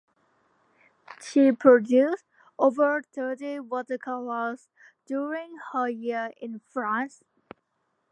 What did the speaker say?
She produced over thirty watercolors during her year in France.